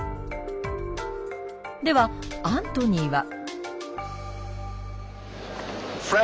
ではアントニーは。